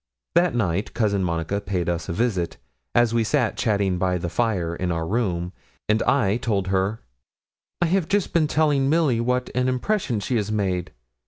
That night Cousin Monica paid us a visit, as we sat chatting by the fire in our room; and I told her 'I have just been telling Milly what an impression she has made.